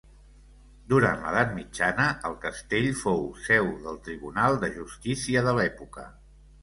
Durant l'edat mitjana, el castell fou seu del tribunal de justícia de l'època.